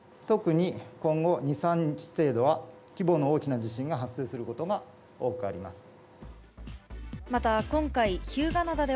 特に今後２、３日程度は規模の大きな地震が発生することが多くあります。